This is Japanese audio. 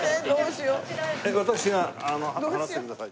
私が払わせてください。